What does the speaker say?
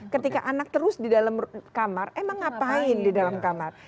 ketika anak terus di dalam kamar emang ngapain di dalam kamar